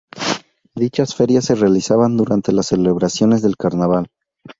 Dichas ferias se realizan durante las celebraciones de Carnaval.